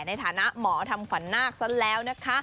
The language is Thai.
ในฐานะหมอทำขวัญนาคซะแล้วนะคะ